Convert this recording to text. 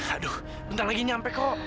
aduh bentar lagi nyampe kok